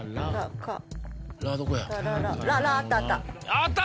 あった！